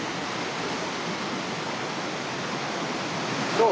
どう？